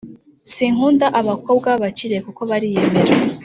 Sinkunda abakobwa babakire kuko bariyemera